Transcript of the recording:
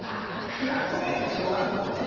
クラスメートだよ小学校のね。